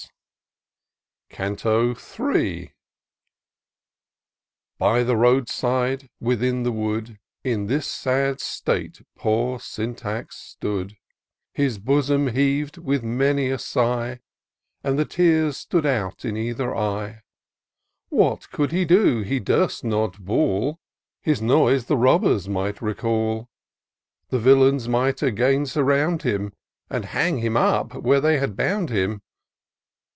s^ga^\^ 1 Y the road side, within the wood, In this sad state poor Syntax stood ; His bosom heav'd with many a idgh, And the tears stood in either eye. What could he do ?— ^he durst not bawl ; His noise the robbers might recall ; The villains might again surround him. And hang him up where they had bound him.